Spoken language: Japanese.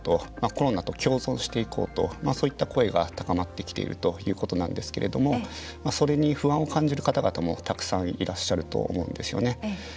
コロナと共存していこうとそういった声が高まってきているということなんですけれどもそれに不安を感じる方々もたくさんいらっしゃると思うんですよね。